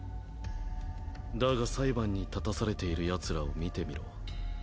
だが裁判に立たされているヤツらを見てみろ。